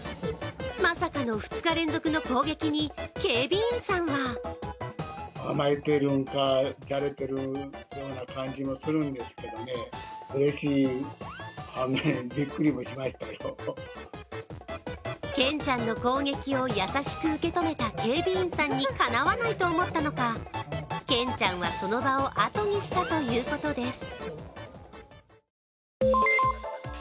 まさかの２日連続の攻撃に、警備員さんはケンちゃんの攻撃を優しく受け止めた警備員さんにかなわないと思ったのかケンちゃんはその場をあとにしたということです。